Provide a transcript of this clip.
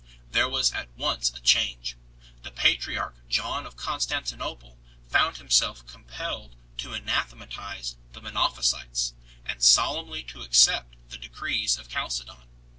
There was at once a change. The patriarch John of Constantinople found himself compelled to anathematize the Monophysites and solemnly to accept the Decrees of Chalcedon.